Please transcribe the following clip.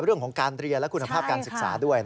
เรื่องของการเรียนและคุณภาพการศึกษาด้วย